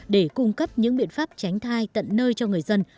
để cung cấp những biện pháp tránh thai tận nơi cho người dân